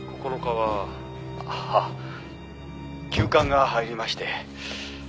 「はあ急患が入りまして」